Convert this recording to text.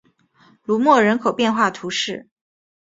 卢莫人口变化图示